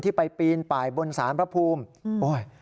ที่ไปปีนไปบนศาลประภูมิ